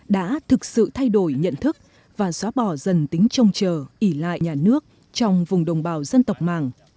đã thực sự thay đổi nhận thức và xóa bỏ dần tính trông chờ ỉ lại nhà nước trong vùng đồng bào dân tộc mạng